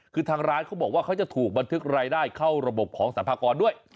คือทางร้านเขาบอกว่าเขาจะถูกบันทึกรายได้เข้าระบบของสรรพากรด้วย